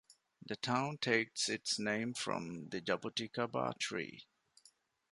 The town takes its name from the "jabuticaba" tree.